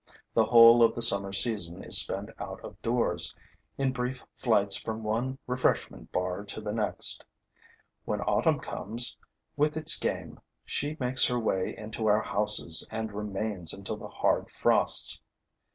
The whole of the summer season is spent out of doors, in brief flights from one refreshment bar to the next. When autumn comes, with its game, she makes her way into our houses and remains until the hard frosts.